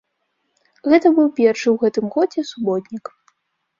Гэта быў першы ў гэтым годзе суботнік.